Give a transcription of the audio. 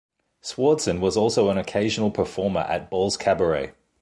Swardson was also an occasional performer at Balls Cabaret.